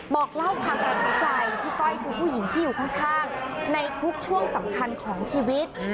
บอกเล่าความประทับใจพี่ต้อยคือผู้หญิงที่อยู่ข้างในทุกช่วงสำคัญของชีวิต